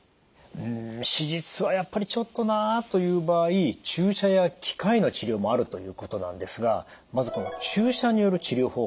うん手術はやっぱりちょっとなあという場合注射や機械の治療もあるということなんですがまずこの注射による治療法